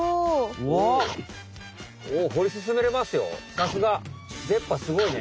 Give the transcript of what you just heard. さすが。でっ歯すごいね。